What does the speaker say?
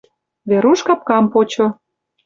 Веруш капкам почо.